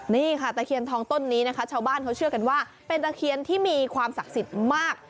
นี่ค่ะตะเคียนทองต้นนี้นะคะชาวบ้านเขาเชื่อกันว่าเป็นตะเคียนที่มีความศักดิ์สิทธิ์มาก